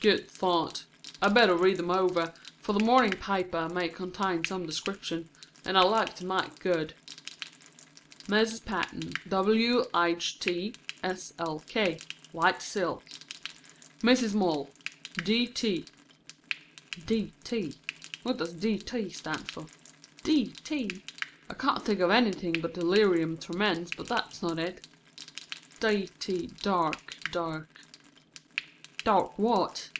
"Good thought. I'd better read them over, for the morning paper may contain some description, and I'd like to make good. 'Mrs. Paton, wht. slk.' white silk. 'Mrs. Mull, d. t.' d. t.? What does d. t. stand for? d. t.? I can't think of anything but delirium tremens, but that's not it. D. t. Dark dark what?